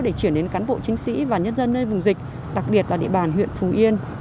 để chuyển đến cán bộ chiến sĩ và nhân dân nơi vùng dịch đặc biệt là địa bàn huyện phù yên